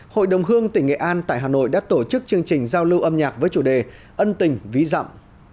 hội đồng hương tỉnh nghệ an tại hà nội đã tổ chức chương trình giao lưu âm nhạc với chủ đề ân tình ví dặm